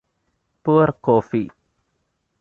Pour coffee.